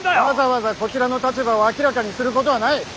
わざわざこちらの立場を明らかにすることはない。